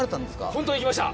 本当にいきました！